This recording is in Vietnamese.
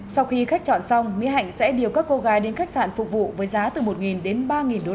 sau khi khách chọn xong mỹ hạnh sẽ điều các cô gái đến khách sạn phục vụ với giá từ một đến ba usd